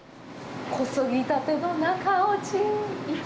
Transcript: こそぎたての中落ち。